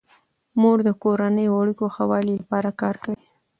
مور د کورنیو اړیکو ښه والي لپاره کار کوي.